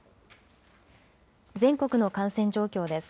全国の感染状況です。